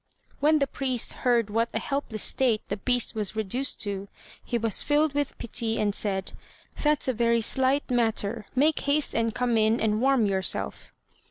When the priest heard what a helpless state the beast was reduced to, he was filled with pity and said: "That's a very slight matter: make haste and come in and warm yourself."